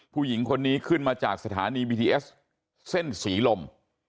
ผู้หญิงคนนี้ขึ้นมาจากสถานีบีทีเอสเส้นศรีลม